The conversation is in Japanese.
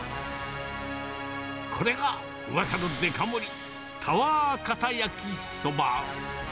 これがうわさのデカ盛り、タワーかた焼きそば。